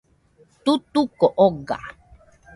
Tutuco oga.